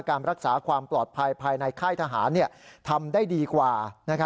การรักษาความปลอดภัยภายในค่ายทหารทำได้ดีกว่า